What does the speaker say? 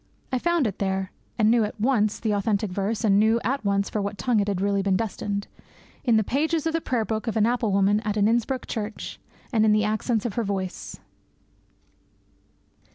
I found it there (and knew at once the authentic verse, and knew at once for what tongue it had been really destined) in the pages of the prayer book of an apple woman at an Innsbruck church, and in the accents of her voice.